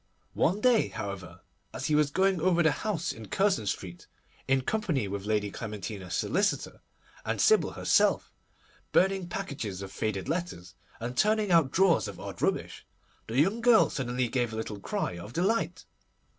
One day, however, as he was going over the house in Curzon Street, in company with Lady Clementina's solicitor and Sybil herself, burning packages of faded letters, and turning out drawers of odd rubbish, the young girl suddenly gave a little cry of delight.